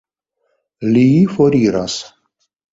Li foriras.